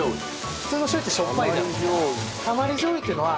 普通のしょう油ってしょっぱいじゃないですか。